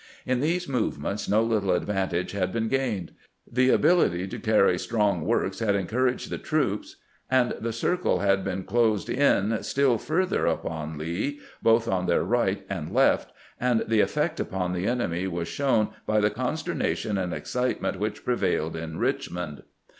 In these movements no little advantage had been gained. The ability to carry strong works had encou raged the troops, and the circle had been closed in still 304 CAMPAIGNING WITH GRANT further upon Lee, both on our right and left, and the effect upon the enemy was shown by the consternation and excitement which prevailed in Eichmond.